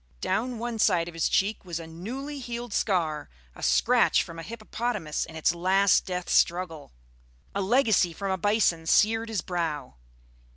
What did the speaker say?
Down one side of his cheek was a newly healed scar, a scratch from a hippopotamus in its last death struggle. A legacy from a bison seared his brow.